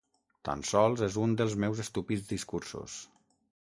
Tan sols és un dels meus estúpids discursos.